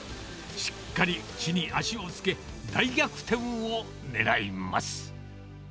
しっかり地に足をつけ、大逆転を狙います。